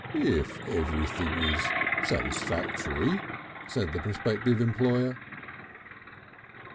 "If everything is satisfactory," said the prospective employer.